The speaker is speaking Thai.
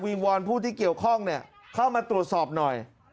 วอนผู้ที่เกี่ยวข้องเข้ามาตรวจสอบหน่อย